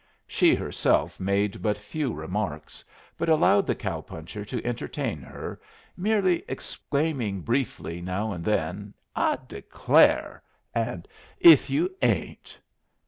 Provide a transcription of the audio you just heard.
She herself made but few remarks, but allowed the cow puncher to entertain her, merely exclaiming briefly now and then, "I declare!" and "If you ain't!"